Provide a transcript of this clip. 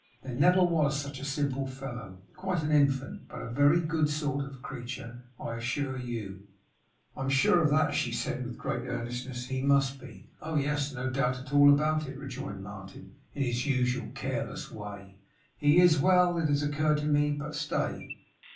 There never was such a simple fellow! Quite an infant! But a very good sort of creature, I assure you.' 'I am sure of that,' she said with great earnestness. 'He must be!' 'Oh, yes, no doubt at all about it,' rejoined Martin, in his usual careless way. 'He is. Well! It has occurred to me but stay.